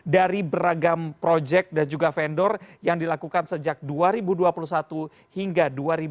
dari beragam proyek dan juga vendor yang dilakukan sejak dua ribu dua puluh satu hingga dua ribu dua puluh